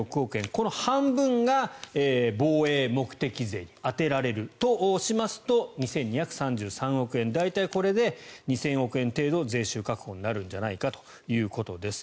この半分が防衛目的税に充てられるとしますと２２３３億円大体、これで２０００億円程度確保となるんじゃないかということです。